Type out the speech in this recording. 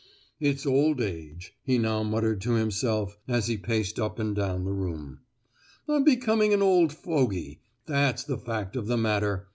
"It's old age," he now muttered to himself, as he paced up and down the room. "I'm becoming an old fogey—that's the fact of the matter!